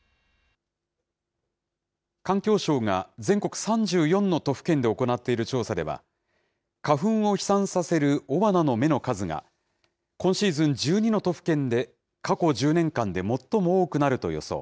環境省が全国３４の都府県で行っている調査では、花粉を飛散させる雄花の芽の数が、今シーズン１２の都府県で過去１０年間で最も多くなると予想。